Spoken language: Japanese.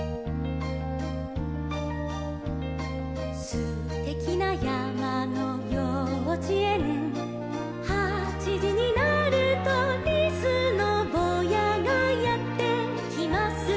「すてきなやまのようちえん」「はちじになると」「リスのぼうやがやってきます」